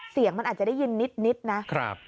เสียงมันอาจจะได้ยินนิดนะ